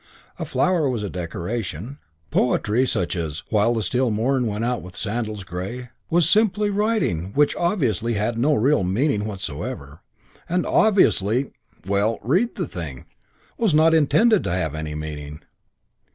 A flower was a decoration. Poetry, such as "While the still morn went out with sandals grey," was simply writing which, obviously, had no real meaning whatsoever, and obviously well, read the thing was not intended to have any meaning.